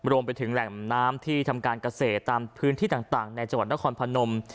รวมไปถึงแหล่งน้ำที่ทำการเกษตรตามพื้นที่ต่างในจังหวัดนครพนม